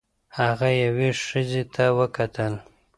هغه یوې ښځې ته وکتل.